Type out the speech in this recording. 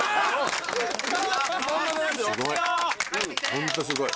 ホントすごい。